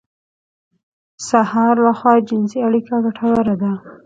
د سهار لخوا جنسي اړيکه ګټوره ده.